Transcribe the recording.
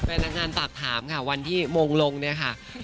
พนักงานฝากถามค่ะวันที่มงลงเนี่ยค่ะ